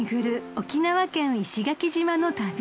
沖縄県石垣島の旅］